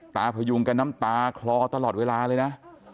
พยุงกันน้ำตาคลอตลอดเวลาเลยนะ